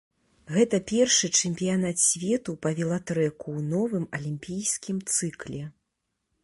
Гэта першы чэмпіянат свету па велатрэку ў новым алімпійскім цыкле.